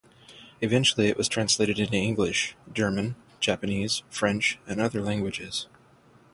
Eventually it was translated into English, German, Japanese, French, and other languages.